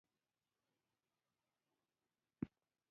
پنېر د بڼو بڼو رنګونو سره بازار ته راځي.